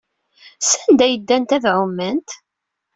Sanda ay ddant ad ɛument?